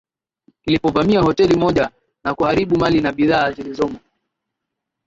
kilipovamia hoteli moja na kuharibu mali na bidhaa zilimo